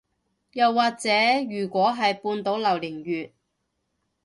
又或者如果係半島榴槤月